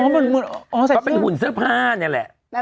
มันเป็นหุ่นเสื้อผ้านี่แหละ